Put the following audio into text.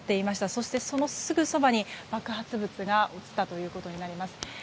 そして、そのすぐそばに爆発物が落ちたことになります。